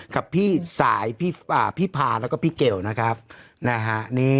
กับพี่สายพี่พาแล้วก็พี่เกลนะครับนะฮะ